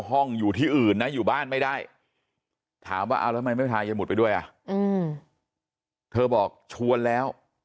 ห้องอยู่ที่อื่นนะอยู่บ้านไม่ได้ถามว่าอาจนะบอกชวนแล้ว